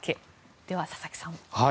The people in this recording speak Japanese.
では、佐々木さん。